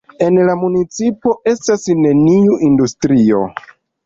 En la municipo estas neniu industrio.